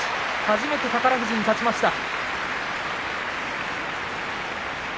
初めて、宝富士に勝ちました。